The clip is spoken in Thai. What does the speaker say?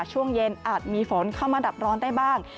ช่วงเย็นอาจมีฝนเข้ามาดับร้อนได้บ้าง